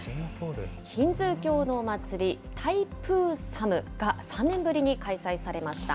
ヒンズー教の祭り、タイプーサムが３年ぶりに開催されました。